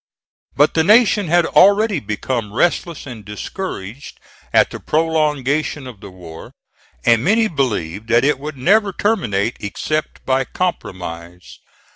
But the Nation had already become restless and discouraged at the prolongation of the war, and many believed that it would never terminate except by compromise.